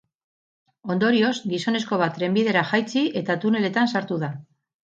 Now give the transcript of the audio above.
Ondorioz, gizonezko bat trenbidera jaitsi eta tuneletan sartu da.